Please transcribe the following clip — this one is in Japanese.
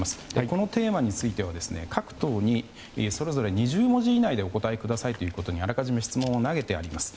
このテーマについては各党にそれぞれ２０文字以内でお答えくださいということであらかじめ質問を投げてあります。